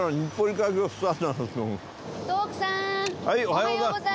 おはようございます。